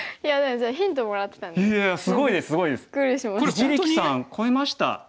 一力さん超えました。